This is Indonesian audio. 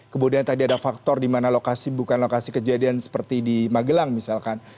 kemudian tadi ada faktor di mana lokasi bukan lokasi kejadian seperti di magelang misalkan